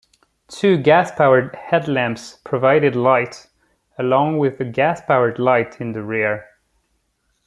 Two gas-powered headlamps provided light, along with a gas-powered light in the rear.